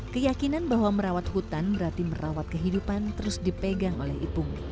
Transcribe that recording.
keyakinan bahwa merawat hutan berarti merawat kehidupan terus dipegang oleh ipung